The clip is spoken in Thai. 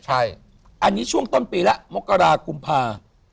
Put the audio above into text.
ใช่อันนี้ช่วงต้นปีแล้วมกรากุมภา